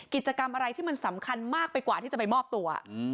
กิจกรรมอะไรที่มันสำคัญมากไปกว่าที่จะไปมอบตัว